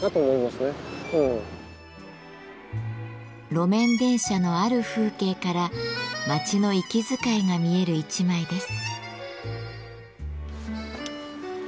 路面電車のある風景から街の息遣いが見える１枚です。